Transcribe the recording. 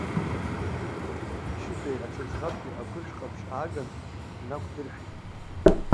Шьытеи аҽа ӡӷабки ақәыршә ҟаԥшь ааган инақәдыршәит.